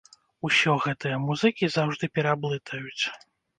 Усё гэтыя музыкі заўжды пераблытаюць!